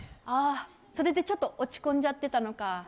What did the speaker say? それでちょっと落ち込んじゃってたのか。